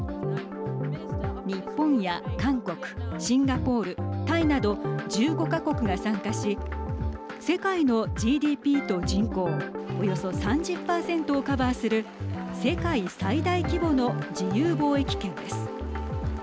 日本や韓国、シンガポールタイなど１５か国が参加し世界のＧＤＰと人口、およそ３０％をカバーする世界最大規模の自由貿易圏です。